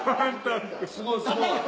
すごいすごい。